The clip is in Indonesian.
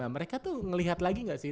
nah mereka tuh ngelihat lagi gak sih